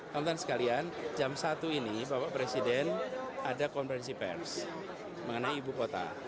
teman teman sekalian jam satu ini bapak presiden ada konferensi pers mengenai ibu kota